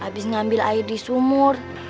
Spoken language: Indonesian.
habis ngambil air di sumur